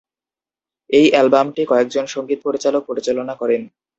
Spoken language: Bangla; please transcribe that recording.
এই অ্যালবামটি কয়েকজন সংগীত পরিচালক পরিচালনা করেন।